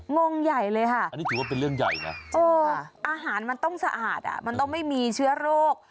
งงใหญ่เลยค่ะอาหารมันต้องสะอาดอ่ะมันต้องไม่มีเชื้อโรค